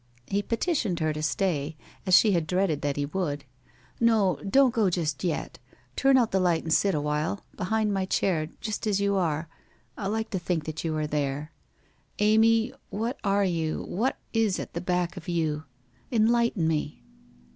' He petitioned her to stay, as she had dreaded that he would. ' No, don't go just yet. Turn out the light and sit awhile — behind my chair, just as you are. I like to think that you are there. ... Amy, what are you, what is at the back of you ? Enlighten me